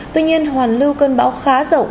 tuy nhiên hoàn lưu cơn bão khá rộng